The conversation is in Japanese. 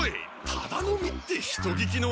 タダ飲みって人聞きの悪い！